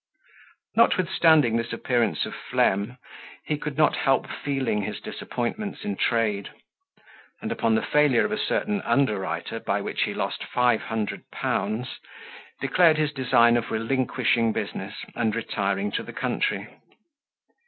Notwithstanding this appearance of phlegm, he could not help feeling his disappointments in trade; and upon the failure of a certain underwriter, by which he lost five hundred pounds, declared his design of relinquishing business, and retiring to the country.